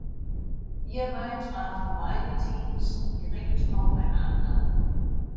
Hierbei trafen beide Teams direkt aufeinander.